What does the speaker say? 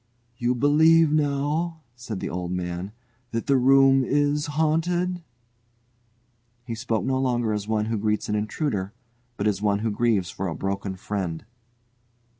"You believe now," said the old man, "that the room is haunted?" He spoke no longer as one who greets an intruder, but as one who grieves for a broken friend.